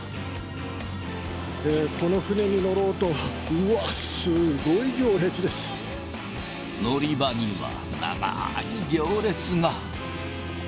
この船に乗ろうと、うわっ、乗り場には長ーい行列が。